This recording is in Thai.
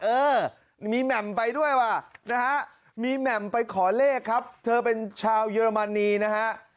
เออมีแหม่มไปด้วยว่ะนะฮะมีแหม่มไปขอเลขครับเธอเป็นชาวเยอรมนีนะฮะ